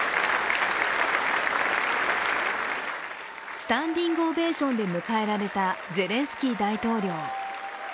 スタンディングオベーションで迎えられたゼレンスキー大統領。